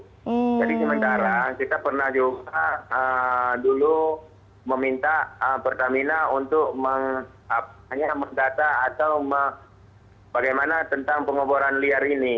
jadi sementara kita pernah juga dulu meminta pertamina untuk mengapa hanya mendata atau bagaimana tentang pengeboran liar ini